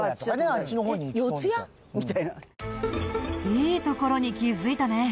いいところに気づいたね。